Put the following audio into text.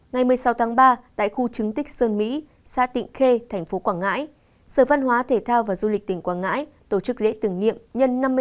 ngày một mươi sáu tháng ba tại khu chứng tích sơn mỹ xã tịnh khê tp quảng ngãi sở văn hóa thể thao và du lịch tỉnh quảng ngãi tổ chức lễ tử nghiệm nhân năm mươi sáu năm